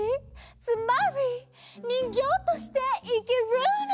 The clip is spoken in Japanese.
つまりにんぎょうとしていきるの！